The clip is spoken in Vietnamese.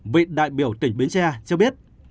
vị đại biểu tỉnh biến tre cho biết